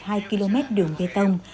theo hình thức nhà nước và nhân dân cùng làm